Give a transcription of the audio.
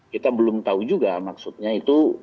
kita belum tahu juga maksudnya itu